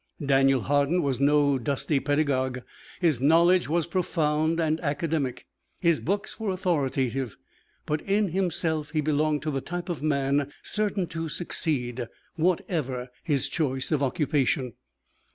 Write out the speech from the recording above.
Daniel Hardin was no dusty pedagogue. His knowledge was profound and academic, his books were authoritative, but in himself he belonged to the type of man certain to succeed, whatever his choice of occupation.